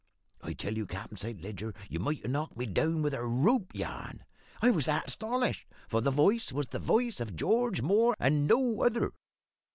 "I tell you, Cap'n Saint Leger, you might ha' knocked me down with a rope yarn, I was that astonished for the voice was the voice of George Moore, and no other.